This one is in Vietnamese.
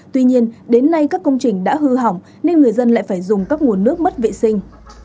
tuy nhiên đến nay các công trình đã hư hỏng nên người dân lại phải dùng các nguồn nước mất vệ sinh